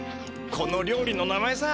この料理の名前さ！